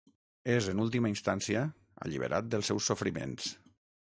És en última instància, alliberat dels seus sofriments.